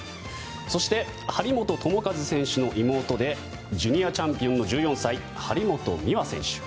そして、張本智和選手の妹でジュニアチャンピオンの１４歳張本美和選手。